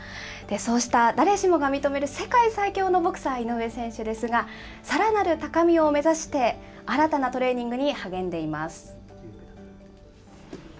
そうした誰しもが認める世界最強のボクサー、井上選手ですが、さらなる高みを目指して、新たなトレーニングに励んでいます。